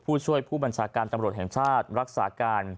ผู้ช่วยผู้บัญชาการตำรวจแห่งชาติรักษาการ